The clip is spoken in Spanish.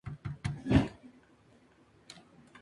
Al salir del poblado, la carretera cruza el río Sapo.